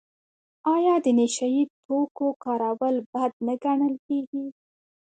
آیا د نشه یي توکو کارول بد نه ګڼل کیږي؟